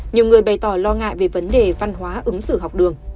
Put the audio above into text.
nhiều người bày tỏ lo ngại về vấn đề văn hóa ứng xử học đường